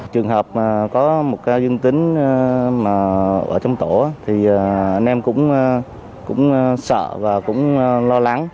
trường hợp mà có một ca dương tính ở trong tổ thì anh em cũng sợ và cũng lo lắng